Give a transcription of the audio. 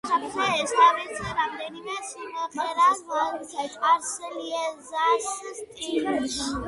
დაწერილი აქვს ასევე რამდენიმე სიმღერა მარსელიეზას სტილში.